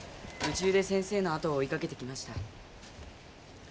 夢中で先生のあとを追いかけてきました。